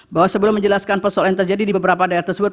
bahwa sebelum menjelaskan persoalan yang terjadi di beberapa daerah tersebut